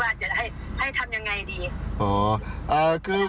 แล้วเรียนว่าจะให้ทำอย่างไรดี